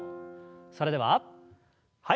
それでははい。